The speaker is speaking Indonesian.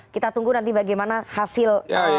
kita tunggu nanti bagaimana hasil